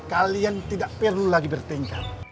kalian tidak perlu lagi bertengkar